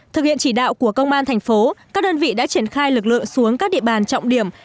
thực hiện chỉ đạo của công an thành phố các đơn vị đã triển khai lực lượng xuống các địa bàn trọng điểm